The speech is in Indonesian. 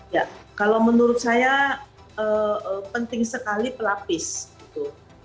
ya kalau menurut saya penting sekali pelapis gitu